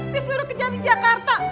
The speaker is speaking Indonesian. disuruh kejar di jakarta